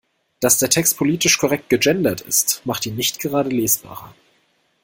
Dass der Text politisch korrekt gegendert ist, macht ihn nicht gerade lesbarer.